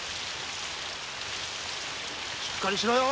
しっかりしろよ